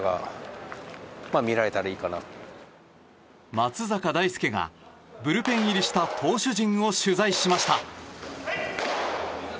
松坂大輔が、ブルペン入りした投手陣を取材しました。